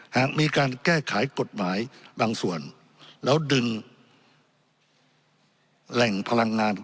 หากมีการแก้ไขกฎหมายบางส่วนแล้วดึงแหล่งพลังงาน